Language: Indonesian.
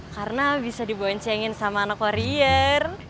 karena bisa diboncengin sama anak koriir